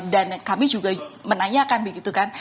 dan kami juga menanyakan begitu kan